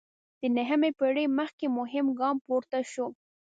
د نهمې پېړۍ مخکې مهم ګام پورته شو.